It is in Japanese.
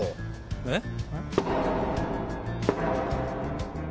えっ？